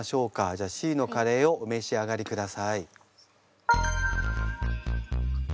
じゃあＣのカレーをお召し上がりください。